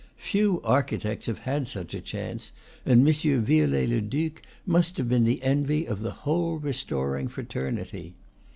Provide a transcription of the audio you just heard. Few archi tects have had such a chance, and M. Viollet le Duc must have been the envy of the whole restoring fra ternity.